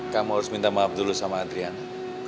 kamu harus minta maaf dulu sama adriana